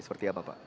seperti apa pak